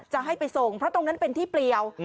จะให้ไปส่งเพราะตรงนั้นเป็นที่เปลี่ยว